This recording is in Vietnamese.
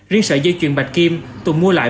riêng sợi dây chuyền bạch kim tùng mua lại